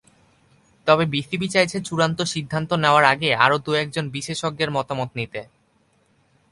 তবে বিসিবি চাইছে চূড়ান্ত সিদ্ধান্ত নেওয়ার আগে আরও দু-একজন বিশেষজ্ঞের মতামত নিতে।